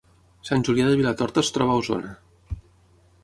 Sant Julià de Vilatorta es troba a Osona